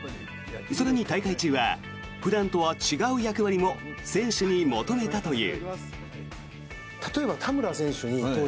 更に大会中は普段とは違う役割も選手に求めたという。